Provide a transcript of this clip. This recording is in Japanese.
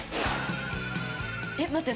えっ待って。